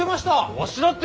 わしだって！